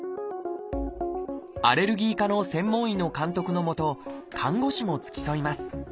アレルギー科の専門医の監督の下看護師も付き添います。